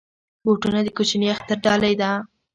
بوټونه د کوچني اختر ډالۍ ده.